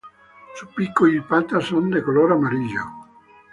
Su pico y patas son de color amarillo.